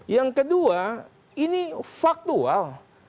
yang kedua ini faktual